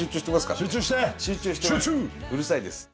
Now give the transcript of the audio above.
うるさいです。